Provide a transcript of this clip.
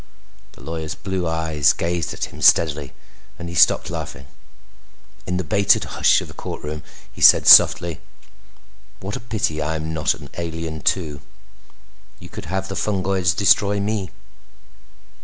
The lawyer's blue eyes gazed at him steadily and he stopped laughing. In the bated hush of the courtroom he said softly, "What a pity I'm not an alien too. You could have the fungoids destroy me!"